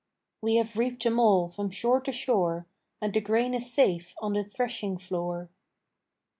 "We have reaped them all from shore to shore, And the grain is safe on the threshing floor."